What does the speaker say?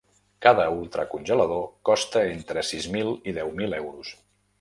Cada ultracongelador costa entre sis mil i deu mil euros.